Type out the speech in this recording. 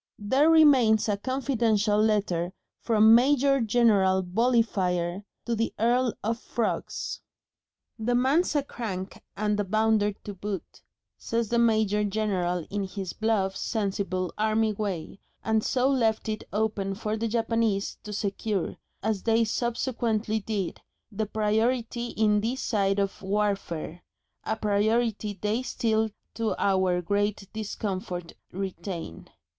There remains a confidential letter from Major General Volleyfire to the Earl of Frogs. "The man's a crank and a bounder to boot," says the Major General in his bluff, sensible, army way, and so left it open for the Japanese to secure, as they subsequently did, the priority in this side of warfare a priority they still to our great discomfort retain.